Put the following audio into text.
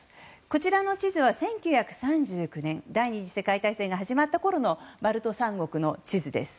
こちらの地図は１９３９年第２次世界大戦が始まったころのバルト三国の地図です。